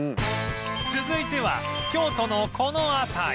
続いては京都のこの辺り